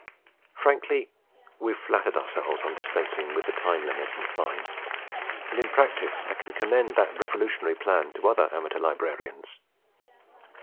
_ Frankly, we flattered ourselves on dispensing with time limit and fine; and in practice I can commend that revolutionary plan to other amateur librarians.